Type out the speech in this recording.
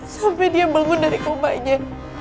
sampai dia bangun dari kobanya